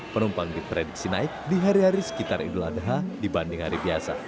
penumpang diprediksi naik di hari hari sekitar idul adha dibanding hari biasa